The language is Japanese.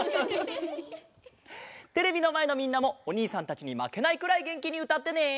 テレビのまえのみんなもおにいさんたちにまけないくらいげんきにうたってね！